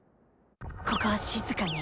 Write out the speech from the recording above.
ここは静かに！